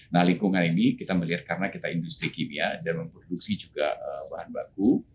nah lingkungan ini kita melihat karena kita industri kimia dan memproduksi juga bahan baku